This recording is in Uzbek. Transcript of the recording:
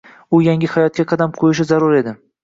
U yangi hayotga qadam qoʻyishi zarur edi